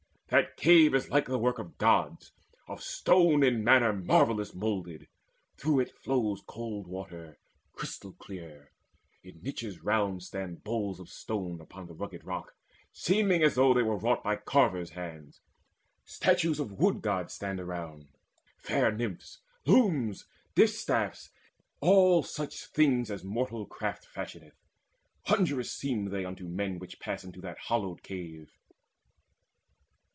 That cave is like the work of gods, of stone In manner marvellous moulded: through it flows Cold water crystal clear: in niches round Stand bowls of stone upon the rugged rock, Seeming as they were wrought by carvers' hands. Statues of Wood gods stand around, fair Nymphs, Looms, distaffs, all such things as mortal craft Fashioneth. Wondrous seem they unto men Which pass into that hallowed cave.